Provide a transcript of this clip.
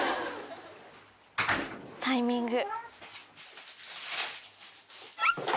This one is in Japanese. タイミング。